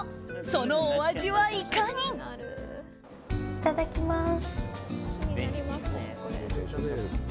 そのお味はいかに？いただきます。